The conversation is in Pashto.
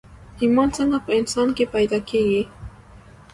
ايمان څنګه په انسان کې پيدا کېږي